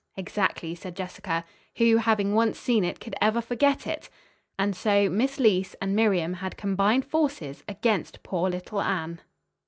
"Exactly," said Jessica. "Who, having once seen it could ever forget it?" And so Miss Leece and Miriam had combined forces against poor little Anne!